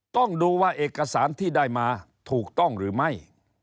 ต้องดูว่าเอกสารที่ได้มาถูกต้องหรือไม่